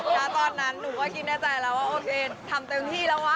ตอนนั้นหนูก็คิดในใจแล้วว่าโอเคทำเต็มที่แล้ววะ